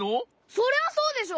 そりゃそうでしょ？